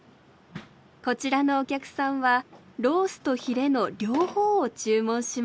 こちらのお客さんはロースとヒレの両方を注文しました。